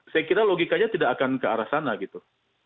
saya kira logikanya tidak akan ke arah sana gitu